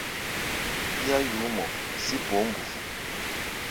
Bíá yuú mɔ sí poó mbufu.